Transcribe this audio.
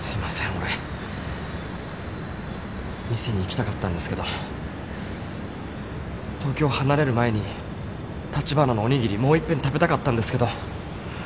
俺店に行きたかったんですけど東京離れる前にたちばなのおにぎりもう一遍食べたかったんですけど